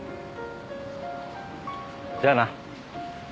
じゃあな。